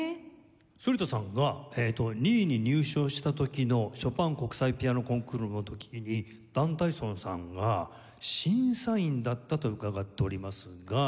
反田さんが２位に入賞した時のショパン国際ピアノコンクールの時にダン・タイ・ソンさんが審査員だったと伺っておりますが。